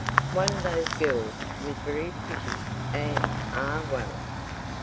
One of those girls was very pretty and—ah, well!